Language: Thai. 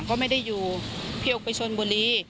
ก็ไม่ได้อยู่พี่ออกไปชนบุรี